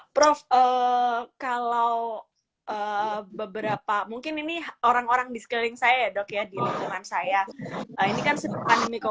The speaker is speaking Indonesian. prof kalau beberapa mungkin ini orang orang di sekeliling saya saya ini kan sebabnya kok